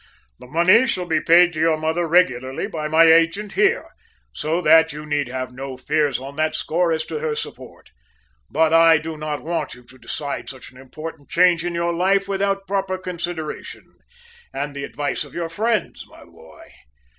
"The money shall be paid to your mother regularly by my agent here, so that you need have no fears on that score as to her support. But I do not want you to decide such an important change in your life without proper consideration, and the advice of your friends, my boy.